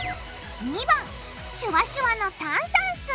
２番シュワシュワの炭酸水。